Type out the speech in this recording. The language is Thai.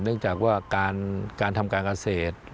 เนื่องจากว่าการทำการเกษตร